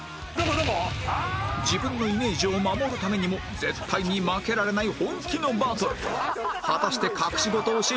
自分のイメージを守るためにも絶対に負けられない本気のバトル！